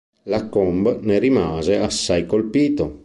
Lacombe ne rimase assai colpito.